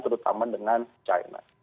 terutama dengan china